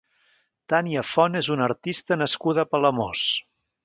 Tania Font és una artista nascuda a Palamós.